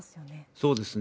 そうですね。